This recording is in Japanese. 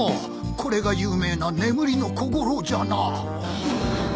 これが有名な「眠りの小五郎」じゃなぁ。